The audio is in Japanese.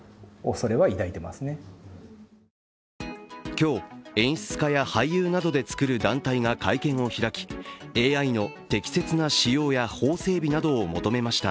今日、演出家や俳優などで作る団体が会見を開き、ＡＩの適切な使用や法整備などを求めました。